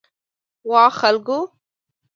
وا خلکو!